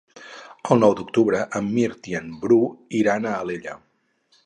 El nou d'octubre en Mirt i en Bru iran a Alella.